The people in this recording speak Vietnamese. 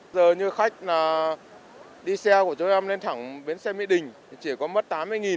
giờ như khách đi xe của chúng em lên thẳng bến xe mỹ đình thì chỉ có mất tám mươi